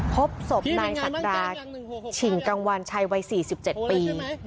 พบศพนายศักดาฉิงกังวานชัยวัย๔๗ปี